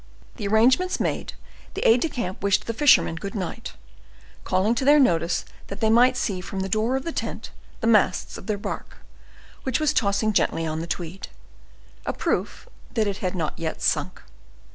The arrangements made, the aid de camp wished the fishermen good night, calling to their notice that they might see from the door of the tent the masts of their bark, which was tossing gently on the Tweed, a proof that it had not yet sunk.